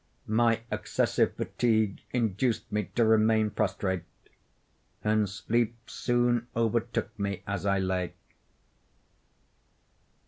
My excessive fatigue induced me to remain prostrate; and sleep soon overtook me as I lay.